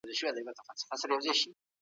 که تعلیم پراخ وي، تدریس محدود نه ښکاري.